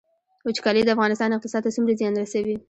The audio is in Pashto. وچکالي د افغانستان اقتصاد ته څومره زیان رسوي؟